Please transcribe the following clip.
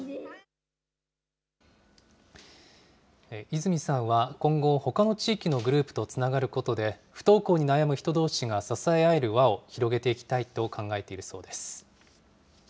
泉さんは今後、ほかの地域のグループとつながることで、不登校に悩む人どうしが支え合える輪を広げていきたいと考えているそうです。